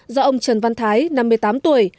do ông trần văn thái năm mươi tám tuổi